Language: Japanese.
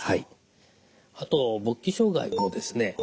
あと勃起障害もですね